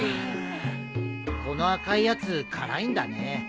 この赤いやつ辛いんだね。